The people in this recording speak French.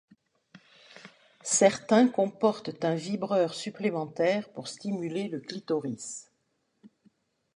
Certains comportent un vibreur supplémentaire pour stimuler le clitoris.